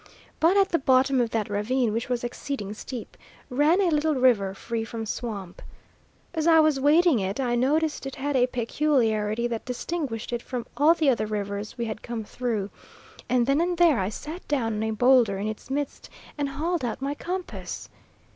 But at the bottom of that ravine, which was exceeding steep, ran a little river free from swamp. As I was wading it I noticed it had a peculiarity that distinguished it from all the other rivers we had come through; and then and there I sat down on a boulder in its midst and hauled out my compass.